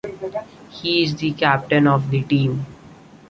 He is the captain of the team.